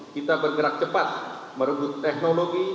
kita bergerak cepat merebut teknologi